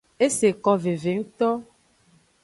Eseko veve ngto.